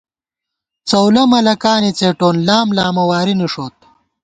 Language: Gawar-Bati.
څَؤلَہ ملَکانے څېٹون ، لام لامہ واری نِݭوت